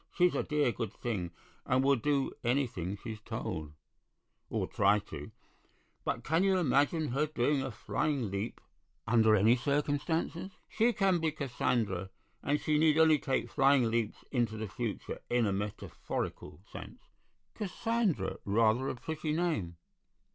She's a dear good thing, and will do anything she's told, or try to; but can you imagine her doing a flying leap under any circumstances?" "She can be Cassandra, and she need only take flying leaps into the future, in a metaphorical sense." "Cassandra; rather a pretty name.